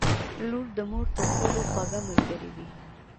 • لور د مور تر ټولو خوږه ملګرې وي.